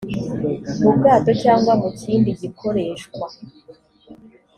mu bwato cyangwa mu kindi gikoreshwa